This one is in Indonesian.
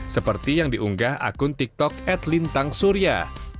seperti yang diunggah akun tiktok adlin tangsurya